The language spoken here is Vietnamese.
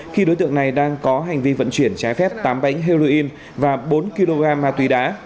khi đối tượng này đang có hành vi vận chuyển trái phép tám bánh heroin và bốn kg ma túy đá